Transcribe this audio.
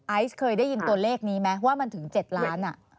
ไอซ์เคยได้ยินตัวเลขนี้ไหมว่ามันถึง๗ล้าน